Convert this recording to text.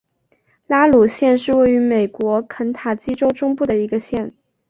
拉鲁县是位于美国肯塔基州中部的一个县。